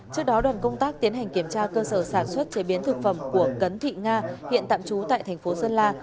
trước đó đoàn công tác tiến hành kiểm tra cơ sở sản xuất chế biến thực phẩm của cấn thị nga hiện tạm trú tại thành phố sơn la